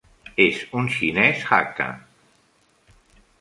És un xinès Hakka.